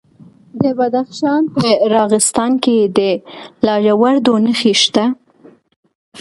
د بدخشان په راغستان کې د لاجوردو نښې شته.